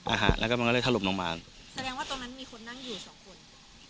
อาหารแล้วก็มันก็เลยถล่มลงมาแสดงว่าตรงนั้นมีคนนั่งอยู่สองคน